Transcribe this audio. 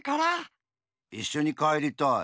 いっしょにかえりたい。